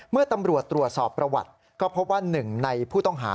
เมื่อตำรวจตรวจสอบประวัติก็พบว่าหนึ่งในผู้ต้องหา